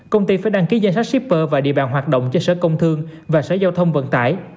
công ty phải đăng ký danh sách shipper và địa bàn hoạt động cho sở công thương và sở giao thông vận tải